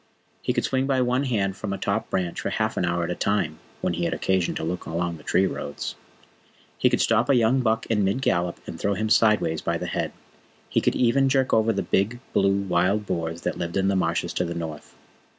He could swing by one hand from a top branch for half an hour at a time, when he had occasion to look along the tree roads. He could stop a young buck in mid gallop and throw him sideways by the head. He could even jerk over the big, blue wild boars that lived in the Marshes of the North.